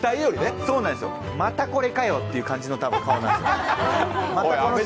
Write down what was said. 「またこれかよ」っていう感じの顔なんです。